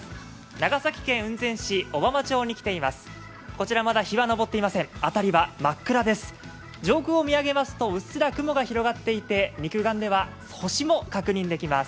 長崎県雲仙市小浜町に来ています。